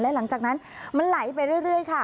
หลังจากนั้นมันไหลไปเรื่อยค่ะ